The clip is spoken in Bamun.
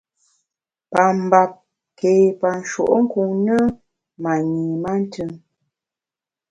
Pa mbap ké pa nshùenkun ne, ma nyi mantùm.